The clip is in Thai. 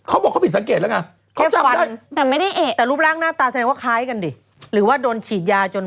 อะไรจะทำอย่างไร